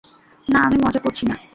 না, আমি মজা করছি না!